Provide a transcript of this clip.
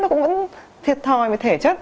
nó cũng vẫn thiệt thòi với thể chất